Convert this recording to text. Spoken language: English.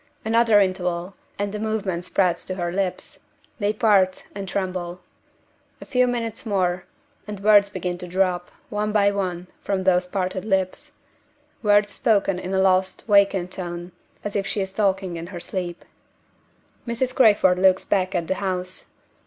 Another interval, and the movement spreads to her lips: they part and tremble. A few minutes more, and words begin to drop, one by one, from those parted lips words spoken in a lost, vacant tone, as if she is talking in her sleep. Mrs. Crayford looks back at the house.